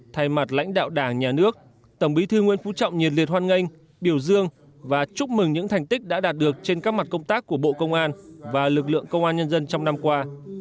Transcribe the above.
thay mặt lãnh đạo đảng nhà nước tổng bí thư nguyễn phú trọng nhiệt liệt hoan nghênh biểu dương và chúc mừng những thành tích đã đạt được trên các mặt công tác của bộ công an và lực lượng công an nhân dân trong năm qua